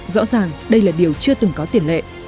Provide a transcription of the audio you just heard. rõ ràng đây là điều chưa từng có tiền lệ